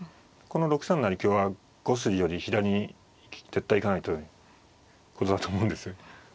この６三成香は５筋より左に絶対行かないということだと思うんです。